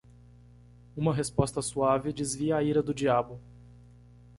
Uma resposta suave desvia a ira do diabo